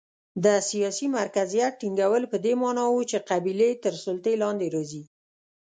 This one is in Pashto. د سیاسي مرکزیت ټینګول په دې معنا و چې قبیلې تر سلطې لاندې راځي.